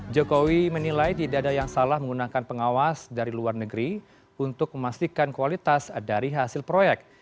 jokowi menilai tidak ada yang salah menggunakan pengawas dari luar negeri untuk memastikan kualitas dari hasil proyek